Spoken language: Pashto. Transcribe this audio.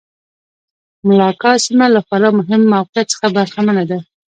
ملاکا سیمه له خورا مهم موقعیت څخه برخمنه وه.